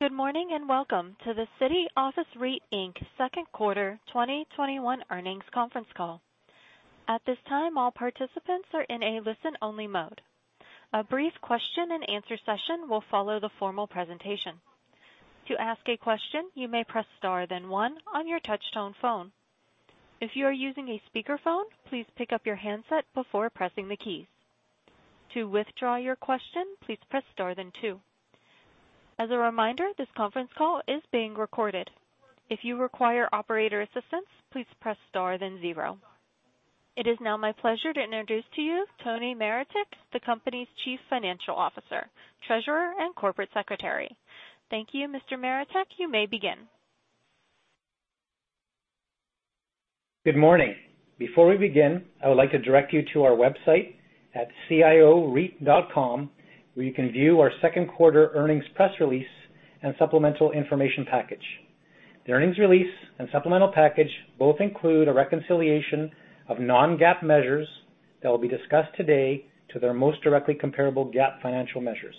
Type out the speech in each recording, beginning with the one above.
Good morning. Welcome to the City Office REIT, Inc. Q2 2021 earnings conference call. At this time, all participants are in a listen-only mode. A brief question and answer session will follow the formal presentation. As a reminder, this conference call is being recorded. It is now my pleasure to introduce to you Tony Maretic, the company's Chief Financial Officer, Treasurer, and Corporate Secretary. Thank you, Mr. Maretic. You may begin. Good morning. Before we begin, I would like to direct you to our website at cioreit.com, where you can view our second quarter earnings press release and supplemental information package. The earnings release and supplemental package both include a reconciliation of non-GAAP measures that will be discussed today to their most directly comparable GAAP financial measures.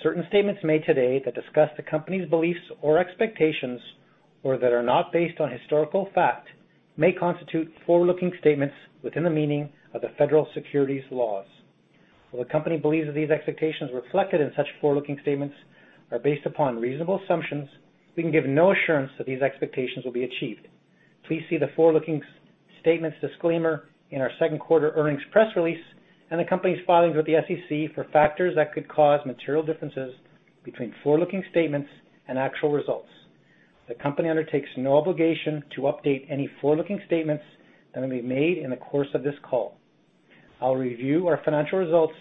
Certain statements made today that discuss the company's beliefs or expectations, or that are not based on historical fact, may constitute forward-looking statements within the meaning of the federal securities laws. While the company believes that these expectations reflected in such forward-looking statements are based upon reasonable assumptions, we can give no assurance that these expectations will be achieved. Please see the forward-looking statements disclaimer in our second quarter earnings press release and the company's filings with the SEC for factors that could cause material differences between forward-looking statements and actual results. The company undertakes no obligation to update any forward-looking statements that may be made in the course of this call. I'll review our financial results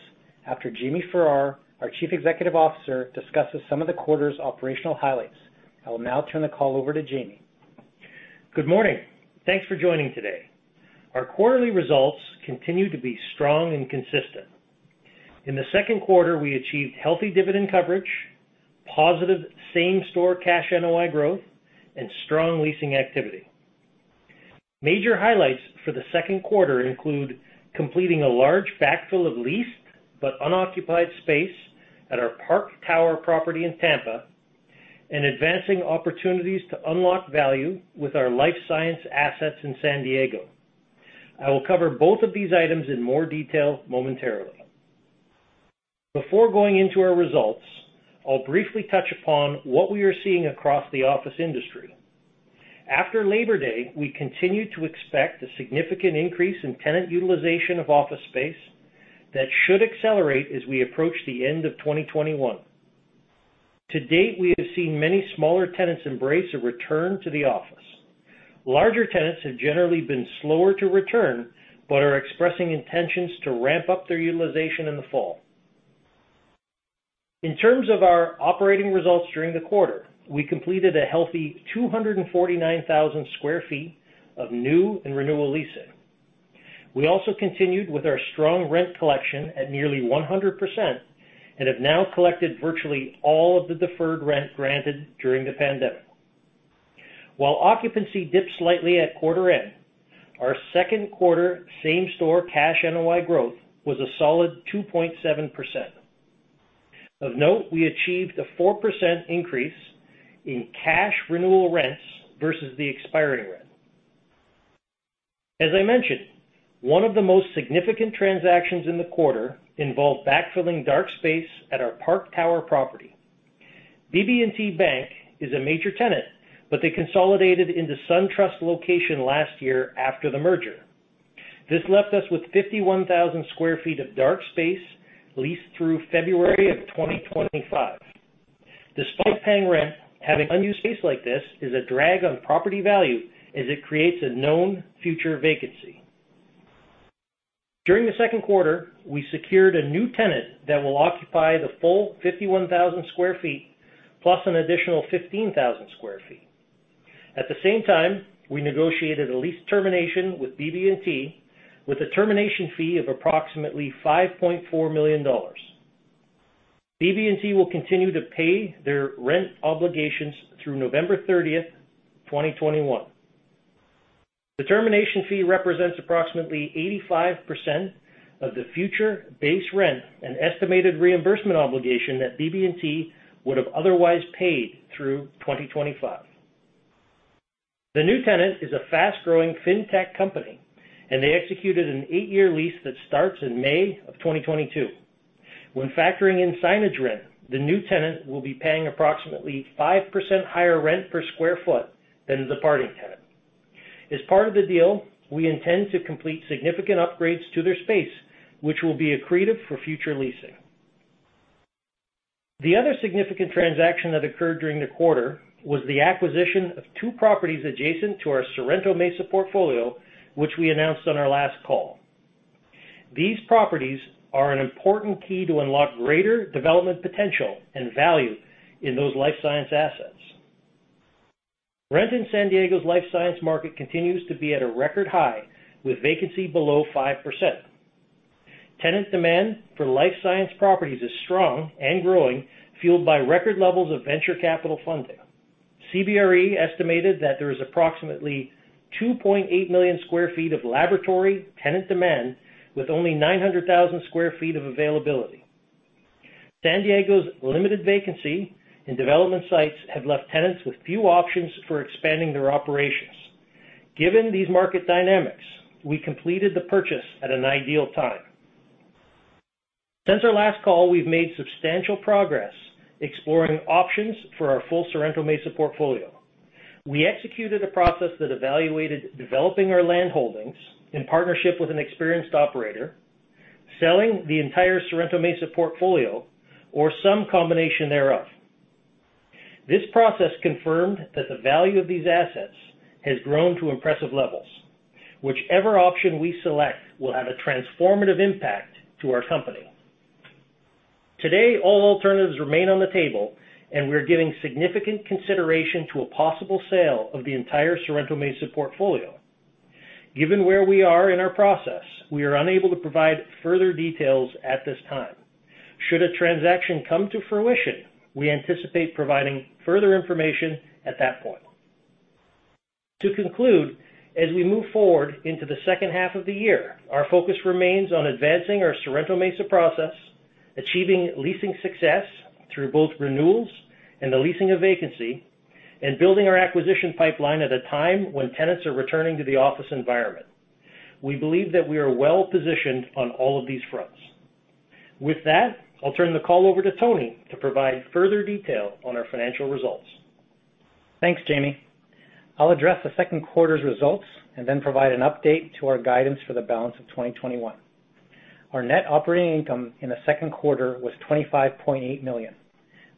after Jamie Farrar, our Chief Executive Officer, discusses some of the quarter's operational highlights. I will now turn the call over to Jamie. Good morning. Thanks for joining today. Our quarterly results continue to be strong and consistent. In the second quarter, we achieved healthy dividend coverage, positive same-store cash NOI growth, and strong leasing activity. Major highlights for the second quarter include completing a large backfill of leased but unoccupied space at our Park Tower property in Tampa, and advancing opportunities to unlock value with our life science assets in San Diego. I will cover both of these items in more detail momentarily. Before going into our results, I'll briefly touch upon what we are seeing across the office industry. After Labor Day, we continued to expect a significant increase in tenant utilization of office space that should accelerate as we approach the end of 2021. To date, we have seen many smaller tenants embrace a return to the office. Larger tenants have generally been slower to return but are expressing intentions to ramp up their utilization in the fall. In terms of our operating results during the quarter, we completed a healthy 249,000 sq ft of new and renewal leasing. We also continued with our strong rent collection at nearly 100% and have now collected virtually all of the deferred rent granted during the pandemic. While occupancy dipped slightly at quarter end, our second quarter same-store cash NOI growth was a solid 2.7%. Of note, we achieved a 4% increase in cash renewal rents versus the expiring rent. As I mentioned, one of the most significant transactions in the quarter involved backfilling dark space at our Park Tower property. BB&T Bank is a major tenant, but they consolidated into SunTrust location last year after the merger. This left us with 51,000 sq ft of dark space leased through February 2025. Despite paying rent, having unused space like this is a drag on property value as it creates a known future vacancy. During the second quarter, we secured a new tenant that will occupy the full 51,000 sq ft, plus an additional 15,000 sq ft. At the same time, we negotiated a lease termination with BB&T with a termination fee of approximately $5.4 million. BB&T will continue to pay their rent obligations through November 30, 2021. The termination fee represents approximately 85% of the future base rent and estimated reimbursement obligation that BB&T would have otherwise paid through 2025. The new tenant is a fast-growing fintech company. They executed an 8-year lease that starts in May 2022. When factoring in signage rent, the new tenant will be paying approximately 5% higher rent per sq ft than the departing tenant. As part of the deal, we intend to complete significant upgrades to their space, which will be accretive for future leasing. The other significant transaction that occurred during the quarter was the acquisition of two properties adjacent to our Sorrento Mesa portfolio, which we announced on our last call. These properties are an important key to unlock greater development potential and value in those life science assets. Rent in San Diego's life science market continues to be at a record high, with vacancy below 5%. Tenant demand for life science properties is strong and growing, fueled by record levels of venture capital funding. CBRE estimated that there is approximately 2.8 million sq ft of laboratory tenant demand with only 900,000 sq ft of availability. San Diego's limited vacancy and development sites have left tenants with few options for expanding their operations. Given these market dynamics, we completed the purchase at an ideal time. Since our last call, we've made substantial progress exploring options for our full Sorrento Mesa portfolio. We executed a process that evaluated developing our land holdings in partnership with an experienced operator, selling the entire Sorrento Mesa portfolio, or some combination thereof. This process confirmed that the value of these assets has grown to impressive levels. Whichever option we select will have a transformative impact to our company. Today, all alternatives remain on the table, and we're giving significant consideration to a possible sale of the entire Sorrento Mesa portfolio. Given where we are in our process, we are unable to provide further details at this time. Should a transaction come to fruition, we anticipate providing further information at that point. To conclude, as we move forward into the second half of the year, our focus remains on advancing our Sorrento Mesa process, achieving leasing success through both renewals and the leasing of vacancy, and building our acquisition pipeline at a time when tenants are returning to the office environment. We believe that we are well positioned on all of these fronts. With that, I'll turn the call over to Tony to provide further detail on our financial results. Thanks, Jamie. I'll address the second quarter's results and then provide an update to our guidance for the balance of 2021. Our net operating income in the second quarter was $25.8 million,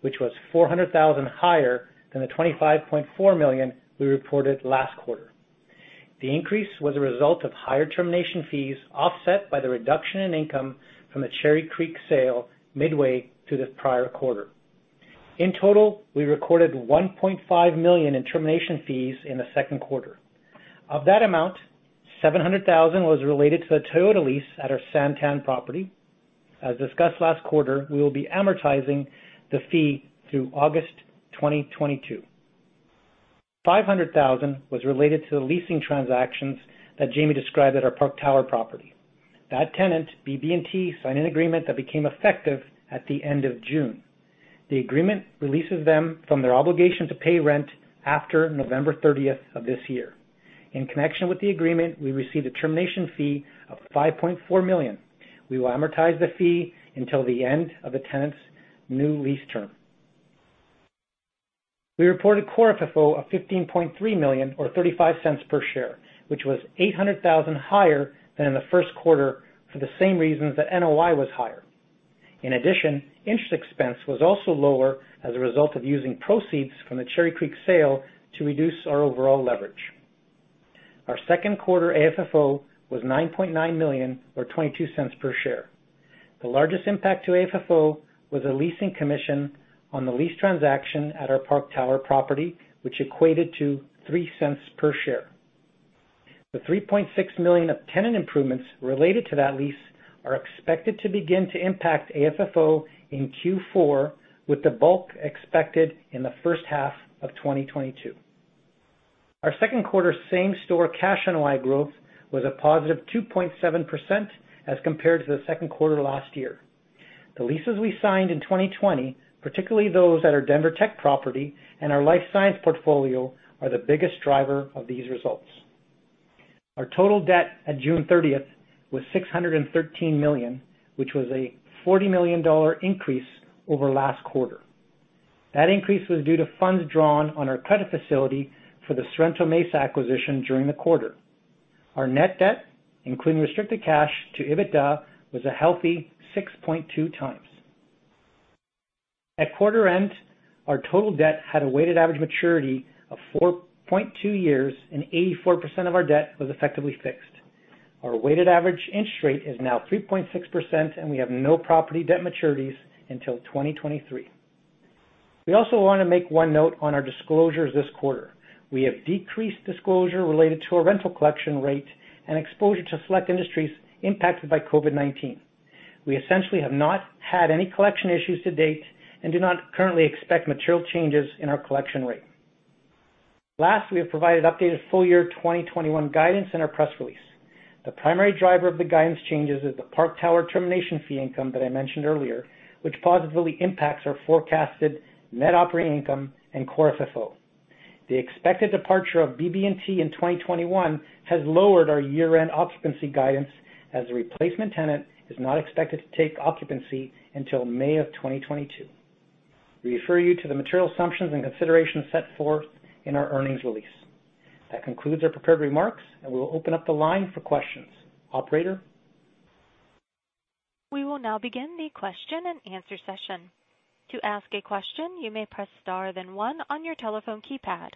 which was $400,000 higher than the $25.4 million we reported last quarter. The increase was a result of higher termination fees offset by the reduction in income from the Cherry Creek sale midway through the prior quarter. In total, we recorded $1.5 million in termination fees in the second quarter. Of that amount, $700,000 was related to the Toyota lease at our San Tan property. As discussed last quarter, we will be amortizing the fee through August 2022. $500,000 was related to the leasing transactions that Jamie described at our Park Tower property. That tenant, BB&T, signed an agreement that became effective at the end of June. The agreement releases them from their obligation to pay rent after November 30th of this year. In connection with the agreement, we received a termination fee of $5.4 million. We will amortize the fee until the end of the tenant's new lease term. We reported Core FFO of $15.3 million, or $0.35 per share, which was $800,000 higher than in the first quarter for the same reasons that NOI was higher. In addition, interest expense was also lower as a result of using proceeds from the Cherry Creek sale to reduce our overall leverage. Our second quarter AFFO was $9.9 million, or $0.22 per share. The largest impact to AFFO was a leasing commission on the lease transaction at our Park Tower property, which equated to $0.03 per share. The $3.6 million of tenant improvements related to that lease are expected to begin to impact AFFO in Q4, with the bulk expected in the first half of 2022. Our second quarter same store cash NOI growth was a positive 2.7% as compared to the second quarter last year. The leases we signed in 2020, particularly those at our Denver Tech property and our Life Science portfolio, are the biggest driver of these results. Our total debt at June 30th was $613 million, which was a $40 million increase over last quarter. That increase was due to funds drawn on our credit facility for the Sorrento Mesa acquisition during the quarter. Our net debt, including restricted cash to EBITDA, was a healthy 6.2x. At quarter end, our total debt had a weighted average maturity of 4.2 years and 84% of our debt was effectively fixed. Our weighted average interest rate is now 3.6%, and we have no property debt maturities until 2023. We also want to make one note on our disclosures this quarter. We have decreased disclosure related to our rental collection rate and exposure to select industries impacted by COVID-19. We essentially have not had any collection issues to date and do not currently expect material changes in our collection rate. Last, we have provided updated full year 2021 guidance in our press release. The primary driver of the guidance changes is the Park Tower termination fee income that I mentioned earlier, which positively impacts our forecasted net operating income and Core FFO. The expected departure of BB&T in 2021 has lowered our year-end occupancy guidance as the replacement tenant is not expected to take occupancy until May of 2022. We refer you to the material assumptions and considerations set forth in our earnings release. That concludes our prepared remarks, and we will open up the line for questions. Operator? We will now begin the question-and-answer session. To ask a question, you may press star then one on your telephone keypad.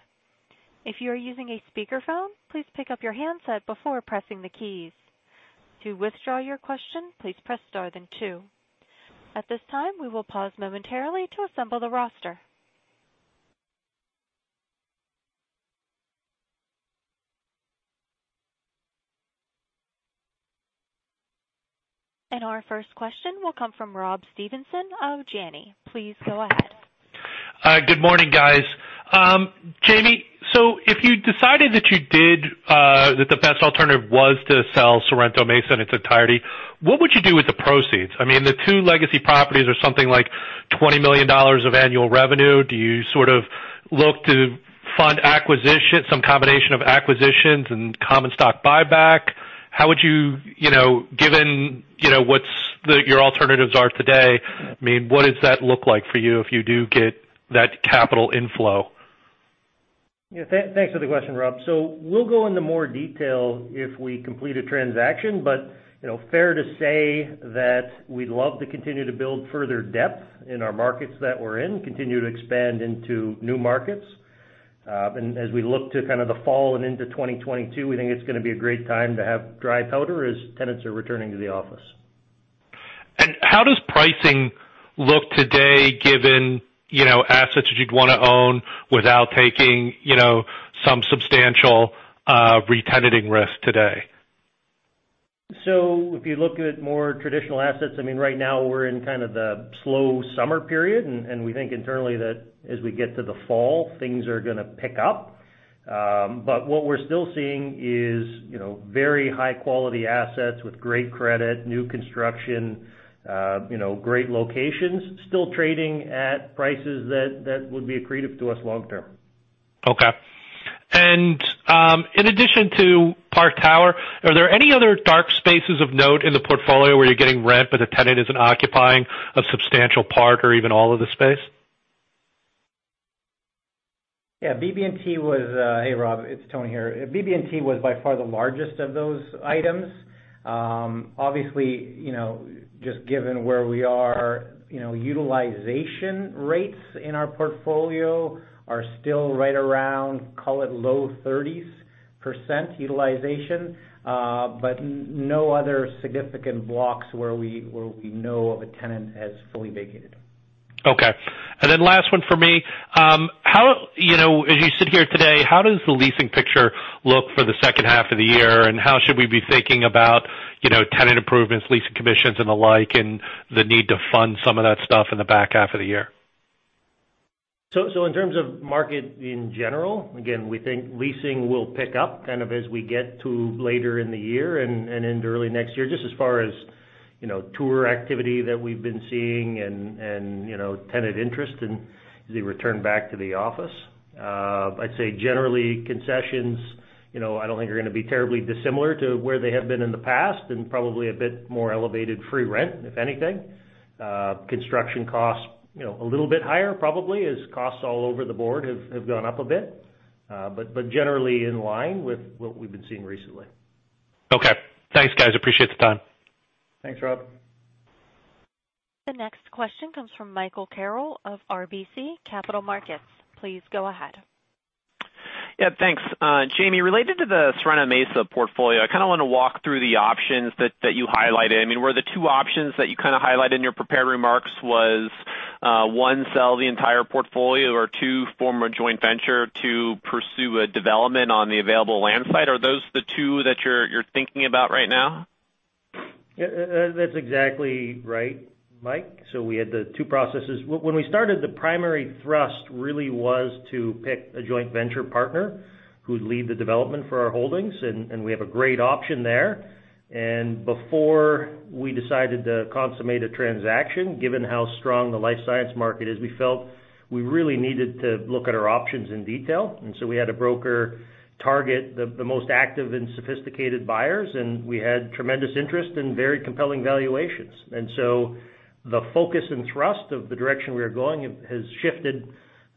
If you are using a speakerphone, please pick up your handset before pressing the keys. To withdraw your question, please press star then two. At this time, we will pause momentarily to assemble the roster. Our first question will come from Rob Stevenson of Janney. Please go ahead. Hi. Good morning, guys. Jamie, if you decided that the best alternative was to sell Sorrento Mesa in its entirety, what would you do with the proceeds? I mean, the two legacy properties are something like $20 million of annual revenue. Do you sort of look to fund some combination of acquisitions and common stock buyback? Given what your alternatives are today, what does that look like for you if you do get that capital inflow? Thanks for the question, Rob. We'll go into more detail if we complete a transaction, but fair to say that we'd love to continue to build further depth in our markets that we're in, continue to expand into new markets. As we look to kind of the fall and into 2022, we think it's going to be a great time to have dry powder as tenants are returning to the office. How does pricing look today, given assets that you'd want to own without taking some substantial re-tenanting risk today? If you look at more traditional assets, right now we're in kind of the slow summer period, and we think internally that as we get to the fall, things are going to pick up. What we're still seeing is very high-quality assets with great credit, new construction, great locations, still trading at prices that would be accretive to us long term. Okay. In addition to Park Tower, are there any other dark spaces of note in the portfolio where you're getting rent, but a tenant isn't occupying a substantial part or even all of the space? Yeah. Hey, Rob. It's Tony here. BB&T was by far the largest of those items. Obviously, just given where we are, utilization rates in our portfolio are still right around, call it low 30s% utilization. No other significant blocks where we know of a tenant has fully vacated. Okay. Last one for me. As you sit here today, how does the leasing picture look for the second half of the year, and how should we be thinking about tenant improvements, leasing commissions, and the like, and the need to fund some of that stuff in the back half of the year? In terms of market in general, again, we think leasing will pick up kind of as we get to later in the year and into early next year, just as far as tour activity that we've been seeing and tenant interest as they return back to the office. I'd say generally concessions, I don't think are going to be terribly dissimilar to where they have been in the past and probably a bit more elevated free rent, if anything. Construction costs a little bit higher probably, as costs all over the board have gone up a bit. Generally in line with what we've been seeing recently. Okay. Thanks, guys. Appreciate the time. Thanks, Rob. The next question comes from Michael Carroll of RBC Capital Markets. Please go ahead. Yeah. Thanks. Jamie, related to the Sorrento Mesa portfolio, I kind of want to walk through the options that you highlighted. Were the two options that you kind of highlighted in your prepared remarks was, one, sell the entire portfolio or two, form a joint venture to pursue a development on the available land site? Are those the two that you're thinking about right now? Yeah. That's exactly right, Mike. We had the two processes. When we started, the primary thrust really was to pick a joint venture partner who'd lead the development for our holdings, and we have a great option there. Before we decided to consummate a transaction, given how strong the life science market is, we felt we really needed to look at our options in detail. We had a broker target the most active and sophisticated buyers, and we had tremendous interest and very compelling valuations. The focus and thrust of the direction we are going has shifted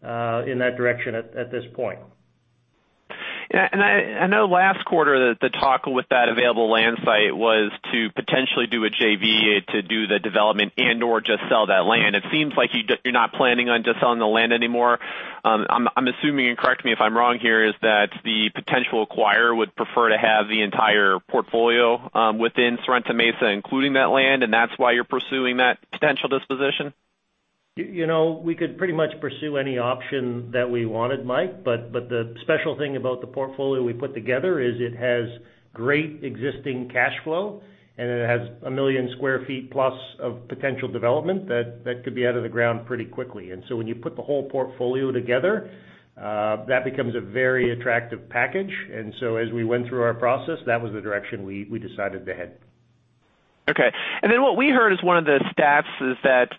in that direction at this point. I know last quarter that the talk with that available land site was to potentially do a JV to do the development and/or just sell that land. It seems like you're not planning on just selling the land anymore. I'm assuming, and correct me if I'm wrong here, is that the potential acquirer would prefer to have the entire portfolio within Sorrento Mesa, including that land, and that's why you're pursuing that potential disposition? We could pretty much pursue any option that we wanted, Mike. The special thing about the portfolio we put together is it has great existing cash flow, and it has 1 million sq ft plus of potential development that could be out of the ground pretty quickly. When you put the whole portfolio together, that becomes a very attractive package. As we went through our process, that was the direction we decided to head. Okay. Then what we heard as one of the stats is that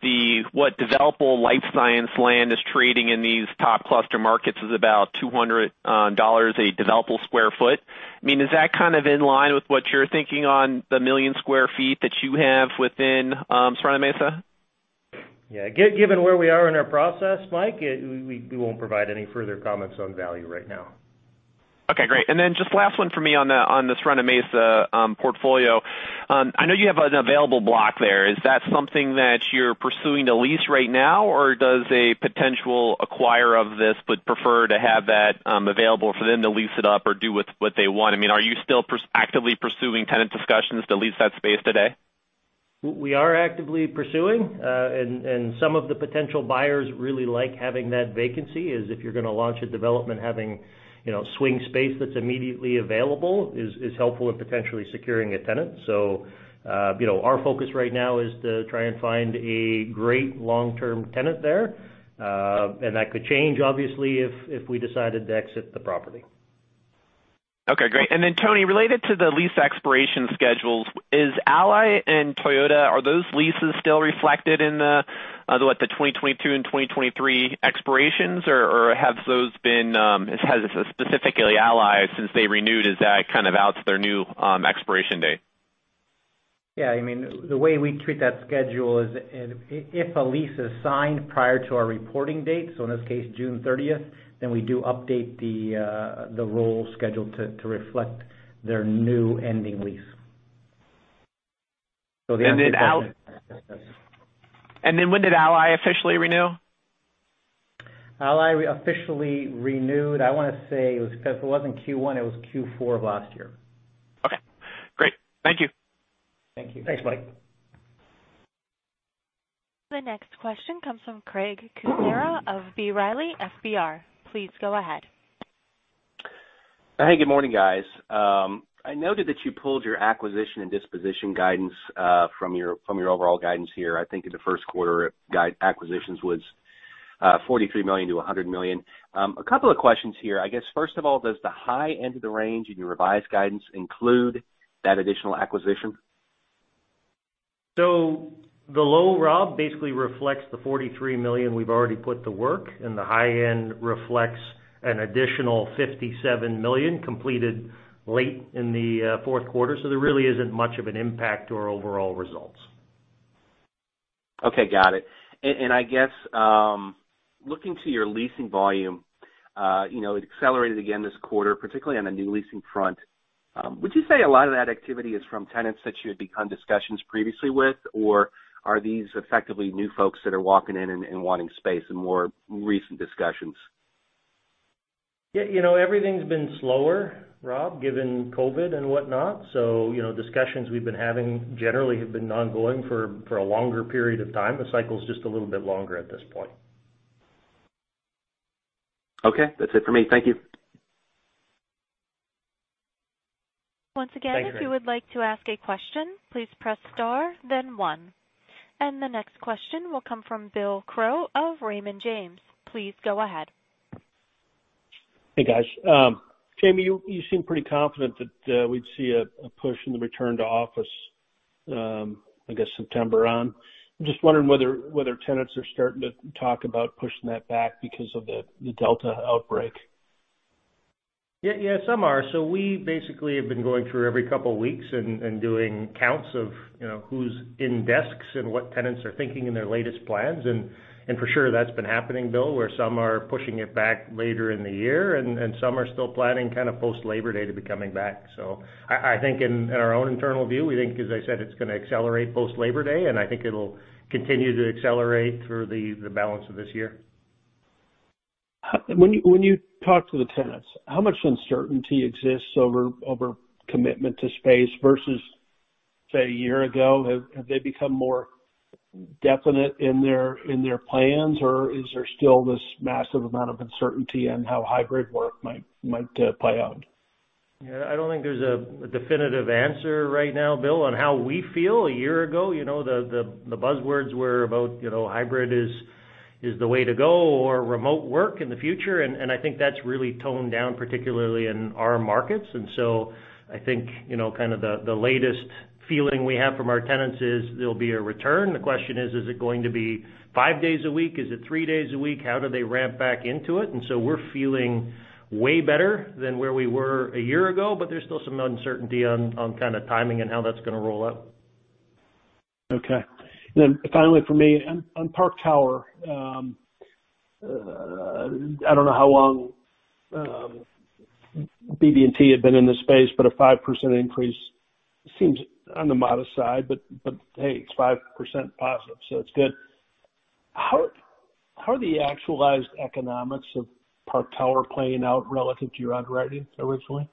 what developable life science land is trading in these top cluster markets is about $200 a developable sq ft. Is that kind of in line with what you're thinking on the 1 million sq ft that you have within Sorrento Mesa? Given where we are in our process, Mike, we won't provide any further comments on value right now. Okay, great. Just last one for me on the Sorrento Mesa portfolio. I know you have an available block there. Is that something that you're pursuing to lease right now, or does a potential acquirer of this would prefer to have that available for them to lease it up or do what they want? Are you still actively pursuing tenant discussions to lease that space today? We are actively pursuing. Some of the potential buyers really like having that vacancy. If you're going to launch a development, having swing space that's immediately available is helpful in potentially securing a tenant. Our focus right now is to try and find a great long-term tenant there. That could change, obviously, if we decided to exit the property. Okay, great. Tony, related to the lease expiration schedules, is Ally and Toyota, are those leases still reflected in the 2022 and 2023 expirations, or has it, specifically Ally, since they renewed, is that kind of out to their new expiration date? Yeah. The way we treat that schedule is if a lease is signed prior to our reporting date, so in this case, June 30th, we do update the roll schedule to reflect their new ending lease. When did Ally officially renew? Ally officially renewed, I want to say, because it wasn't Q1, it was Q4 of last year. Okay, great. Thank you. Thank you. Thanks, Mike. The next question comes from Craig Kucera of B. Riley FBR. Please go ahead. Hey, good morning, guys. I noted that you pulled your acquisition and disposition guidance from your overall guidance here. I think in the first quarter, acquisitions was $43 million-$100 million. A couple of questions here. I guess, first of all, does the high end of the range in your revised guidance include that additional acquisition? The low, Rob, basically reflects the $43 million we've already put to work, and the high end reflects an additional $57 million completed late in the fourth quarter. There really isn't much of an impact to our overall results. Okay, got it. I guess, looking to your leasing volume, it accelerated again this quarter, particularly on the new leasing front. Would you say a lot of that activity is from tenants that you had begun discussions previously with, or are these effectively new folks that are walking in and wanting space in more recent discussions? Yeah. Everything's been slower, Rob, given COVID and whatnot. Discussions we've been having generally have been ongoing for a longer period of time. The cycle's just a little bit longer at this point. Okay, that's it for me. Thank you. Once again- Thanks if you would like to ask a question, please press star, then one. The next question will come from Bill Crow of Raymond James. Please go ahead. Hey, guys. Jamie, you seem pretty confident that we'd see a push in the return to office, I guess, September on. I'm just wondering whether tenants are starting to talk about pushing that back because of the Delta outbreak. Yeah. Some are. We basically have been going through every two weeks and doing counts of who's in desks and what tenants are thinking in their latest plans, and for sure that's been happening, Bill, where some are pushing it back later in the year, and some are still planning kind of post-Labor Day to be coming back. I think in our own internal view, we think, as I said, it's going to accelerate post-Labor Day, and I think it'll continue to accelerate through the balance of this year. When you talk to the tenants, how much uncertainty exists over commitment to space versus, say, a year ago? Have they become more definite in their plans, or is there still this massive amount of uncertainty on how hybrid work might play out? Yeah, I don't think there's a definitive answer right now, Bill. On how we feel a year ago, the buzzwords were about hybrid is the way to go or remote work in the future. I think that's really toned down, particularly in our markets. I think kind of the latest feeling we have from our tenants is there'll be a return. The question is it going to be five days a week? Is it three days a week? How do they ramp back into it? We're feeling way better than where we were a year ago, but there's still some uncertainty on kind of timing and how that's going to roll out. Okay. Finally from me, on Park Tower, I don't know how long BB&T had been in this space, but a 5% increase seems on the modest side, but hey, it's 5% positive, so it's good. How are the actualized economics of Park Tower playing out relative to your underwriting originally?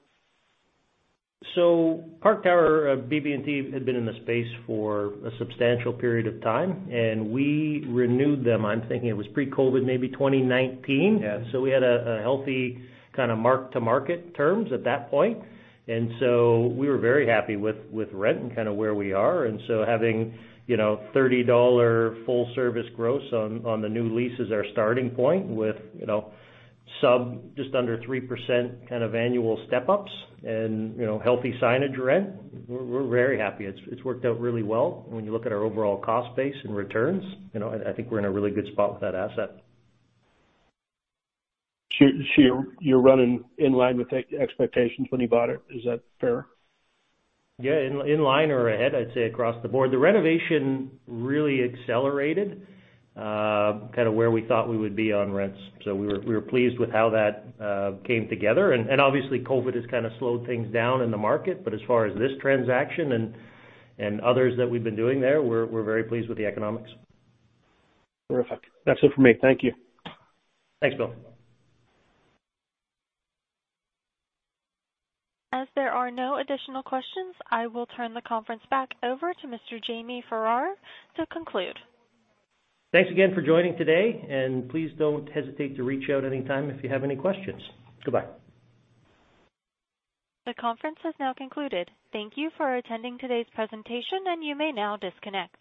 Park Tower, BB&T had been in the space for a substantial period of time, and we renewed them. I'm thinking it was pre-COVID, maybe 2019. Yeah. We had a healthy kind of mark-to-market terms at that point. We were very happy with rent and kind of where we are. Having $30 full-service gross on the new lease as our starting point with sub just under 3% kind of annual step-ups and healthy signage rent, we're very happy. It's worked out really well when you look at our overall cost base and returns. I think we're in a really good spot with that asset. You're running in line with expectations when you bought it. Is that fair? Yeah. In line or ahead, I'd say across the board. The renovation really accelerated kind of where we thought we would be on rents. We were pleased with how that came together. Obviously COVID-19 has kind of slowed things down in the market. As far as this transaction and others that we've been doing there, we're very pleased with the economics. Terrific. That's it for me. Thank you. Thanks, Bill. As there are no additional questions, I will turn the conference back over to Mr. Jamie Farrar to conclude. Thanks again for joining today, and please don't hesitate to reach out anytime if you have any questions. Goodbye. The conference has now concluded. Thank you for attending today's presentation, and you may now disconnect.